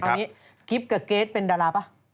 เอาอย่างนี้กิฟต์กับเกรสต์เป็นดาราป่ะ